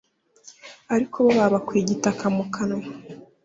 ari bo babakuye igitaka mu kanwa